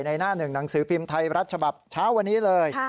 หน้าหนึ่งหนังสือพิมพ์ไทยรัฐฉบับเช้าวันนี้เลย